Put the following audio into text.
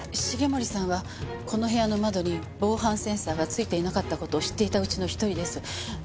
重森さんはこの部屋の窓に防犯センサーが付いていなかった事を知っていた内の１人です。